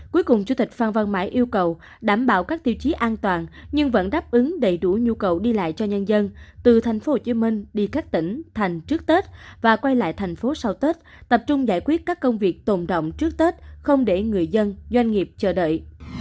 cuối cùng chủ tịch phan văn mãi yêu cầu đảm bảo các tiêu chí an toàn nhưng vẫn đáp ứng đầy đủ nhu cầu đi lại cho nhân dân từ tp hcm đi các tỉnh thành trước tết và quay lại thành phố sau tết tập trung giải quyết các công việc tồn động trước tết không để người dân doanh nghiệp chờ đợi